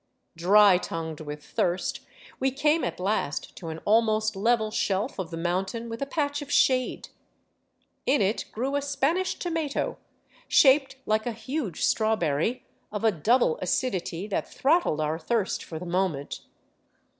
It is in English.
Dry tongued with thirst, we came at last to an almost level shelf of the mountain, with a patch of shade. In it grew a " Spanish tomato " shaped like a huge strawberry, of a double acidity that throttled our thirst for the moment.